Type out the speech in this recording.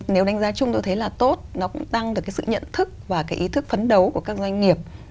nếu đánh giá chung tôi thấy là tốt nó cũng tăng được cái sự nhận thức và cái ý thức phấn đấu của các doanh nghiệp